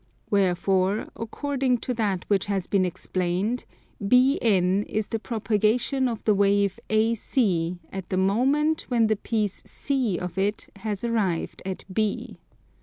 Wherefore, according to that which has been explained, BN is the propagation of the wave AC at the moment when the piece C of it has arrived at B.